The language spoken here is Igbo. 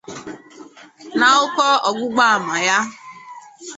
N'akụkọ ọgbụgbaama ya